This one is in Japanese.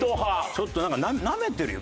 ちょっとなめてるよ